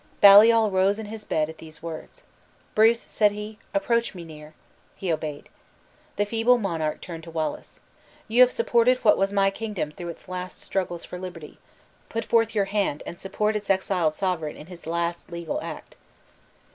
Baliol rose in his bed at these words: "Bruce," said he, "approach me near." He obeyed. The feeble monarch turned to Wallace: "You have supported what was my kingdom through its last struggles for liberty; put forth your hand and support its exiled sovereign in his last legal act."